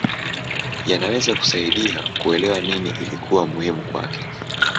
Yanaweza kusaidia kuelewa nini ilikuwa muhimu kwake.